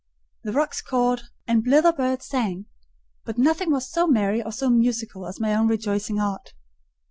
The rooks cawed, and blither birds sang; but nothing was so merry or so musical as my own rejoicing heart.